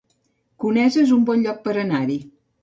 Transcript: Conesa es un bon lloc per anar-hi